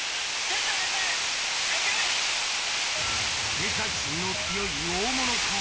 警戒心の強い大物か？